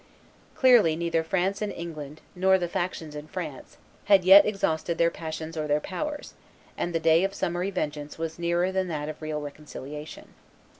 Clearly neither France and England nor the factions in France had yet exhausted their passions or their powers; and the day of summary vengeance was nearer than that of real reconciliation.